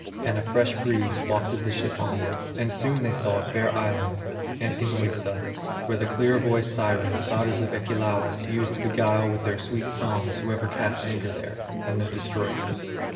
And a fresh breeze wafted the ship on. And soon they saw a fair island, Anthemoessa, where the clear voiced Sirens, daughters of Achelous, used to beguile with their sweet songs whoever cast anchor there, and then destroy him.